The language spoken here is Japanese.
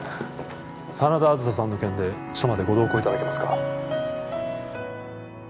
真田梓さんの件で署までご同行いただけますか？